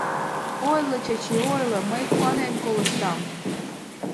— Ойло, Чачи, ойло, мый куанен колыштам.